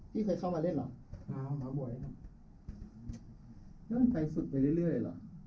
นี่เคยเข้ามาเล่นเหรออ้าวหมาบ่อยนะครับแล้วมันใกล้สุดไปเรื่อยเรื่อยหรอ